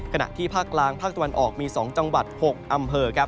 ขณะที่ภาคกลางภาคตะวันออกมี๒จังหวัด๖อำเภอ